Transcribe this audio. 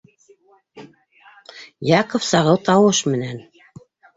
Яков сағыу тауыш менән: